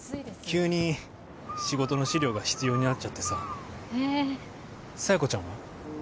急に仕事の資料が必要になっちゃってさへえ佐弥子ちゃんは？